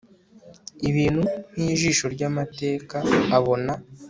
Ibintu nkijisho ryamateka abona